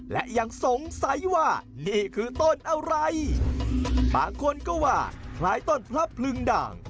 และยังสงสัยว่านี่คือต้นอะไรบางคนก็ว่าคล้ายต้นพระพลึงด่าง